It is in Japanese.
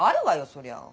そりゃ。